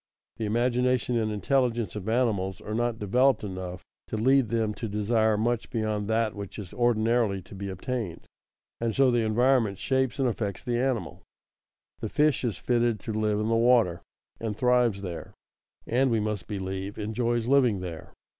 _ The imagination and intelligence of animals are not developed enough to lead them to desire much beyond that which is ordinarily to be obtained. And so the environment shapes and affects the animal. The fish is fitted to live in the water and thrives there, and we must believe, enjoys living there.